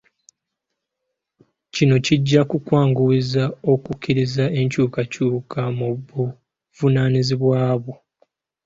Kino kijja kukwanguyiza okukkiriza enkyukakyuka mu buvunaanyizibwa bwo.